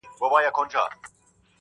غزل – عبدالباري جهاني،